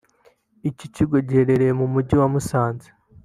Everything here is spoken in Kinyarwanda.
Iki kigo giherereye mu mujyi wa Musanze